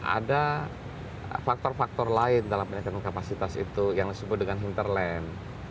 ada faktor faktor lain dalam peningkatan kapasitas itu yang disebut dengan hinterland